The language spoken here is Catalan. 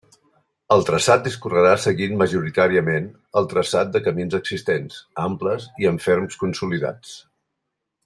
El traçat discorrerà seguint majoritàriament el traçat de camins existents, amples i amb ferms consolidats.